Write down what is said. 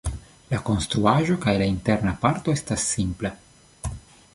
La konstruaĵo kaj la interna parto estas simpla.